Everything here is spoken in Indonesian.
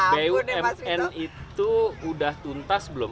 bumn itu sudah tuntas belum